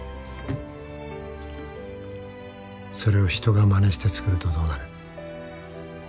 それを人がまねして作るとどうなる？